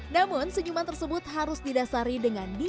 namun senyuman kita tidak akan berhasil